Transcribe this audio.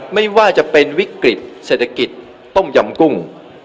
ไม่ว่าจะเป็นวิกฤตเศรษฐกิจต้มยำกุ้ง